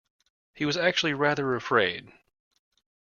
He was actually rather afraid